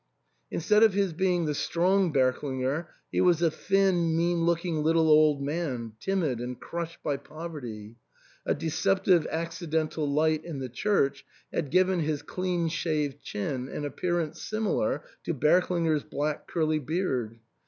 Instead of his being the strong Berklinger, he was a thin, mean looking little old man, timid and crushed by poverty. A de ceptive accidental light in the church had given his clean shaved chin an appearance similar to Berklinger's black curly beard.